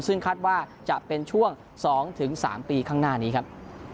ซึ่งคาดว่าจะเป็นช่วง๒๓ปีข้างหน้านี้ครับ